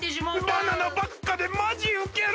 バナナばっかでまじウケる！